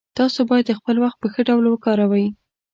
تاسو باید خپل وخت په ښه ډول وکاروئ